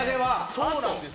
そうなんです。